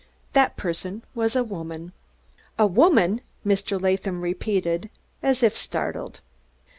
That person was a woman!" "A woman!" Mr. Latham repeated, as if startled.